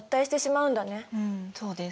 うんそうです。